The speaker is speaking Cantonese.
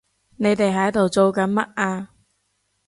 你哋喺度做緊乜啊？